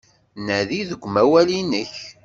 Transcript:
Nadi deg umawal-nnek.